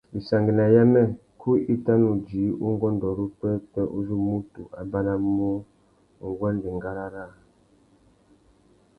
Wissangüena yamê, kú i tà nu djï ungôndô râ upwêpwê uzu mutu a banamú nguêndê ngárá râā.